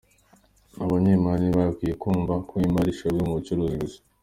Abanyemari ntibakwiye kumva ko imari ishorwa mu bucuruzi gusa